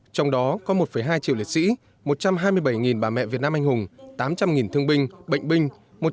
trong đó có một hai triệu liệt sĩ một trăm hai mươi bảy bà mẹ việt nam anh hùng tám trăm linh thương binh bệnh binh